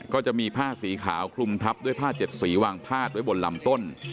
ก็จะมีผ้าสีขาวคลุมทับด้วยผ้าเจ็ดสีวางพาดไว้บนลำต้น